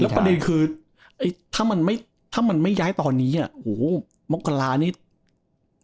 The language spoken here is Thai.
แล้วประเด็นคือถ้ามันไม่ย้ายตอนนี้โอ้โหมกราเนี่ย